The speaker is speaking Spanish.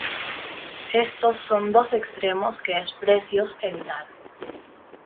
Estos son dos extremos que es precios evitar.